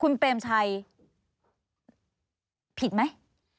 คุณเปรมชัยผิดไหม